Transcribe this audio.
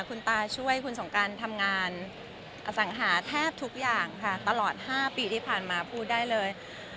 คุณตาช่วยคุณสงการทำงานอสังหาแทบทุกอย่างค่ะตลอด๕ปีที่ผ่านมาพูดได้เลย